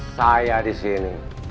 saya di sini